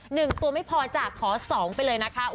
หนึ่งตัวไม่พอจ้ะขอสองไปเลยนะคะ